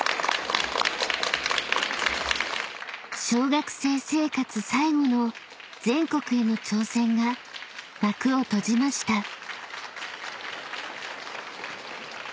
［小学生生活最後の全国への挑戦が幕を閉じました］